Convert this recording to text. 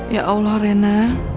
ya allah rena